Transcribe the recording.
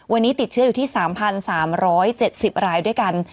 วันนี้ติดเชื้ออยู่ที่๓๓๗๐รายด้วยกัน